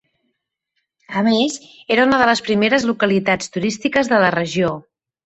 A més, era una de les primeres localitats turístiques de la regió.